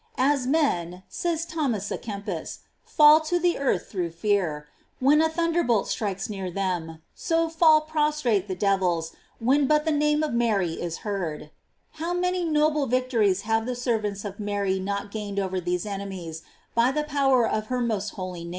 § As men, says Thomas a Kempis, fall to the earth through fear, when a thunderbolt strikes near them, so fall prostrate the devils when but the name of Mary is heard. | How many noble victories have the servants of Mary not gained over these enemies by the power of * Per diem in columna nubis, et per noctem in columna ignis. Exod.